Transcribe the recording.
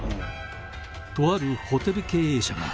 「とあるホテル経営者が」